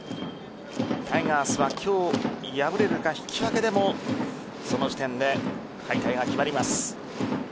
タイガースは今日敗れるか引き分けでもその時点で敗退が決まります。